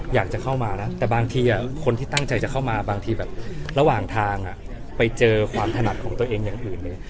อยากจะเข้ามานะแต่บางทีคนที่ตั้งใจจะเข้ามาบางทีแบบระหว่างทางไปเจอความถนัดของตัวเองอย่างอื่นเลย